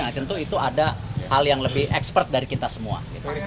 dan tentu itu ada hal yang lebih ekspert dari kita semua